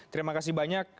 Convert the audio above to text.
terima kasih banyak